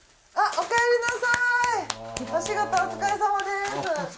お仕事お疲れさまです。